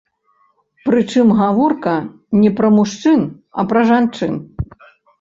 Прычым гаворка не пра мужчын, а пра жанчын.